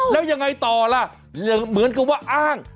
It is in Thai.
แล้วยังไงต่อล่ะเหมือนกับว่าอ้าง